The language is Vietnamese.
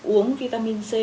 uống vitamin c